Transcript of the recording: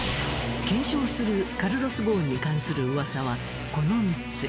検証するカルロス・ゴーンに関する噂はこの３つ。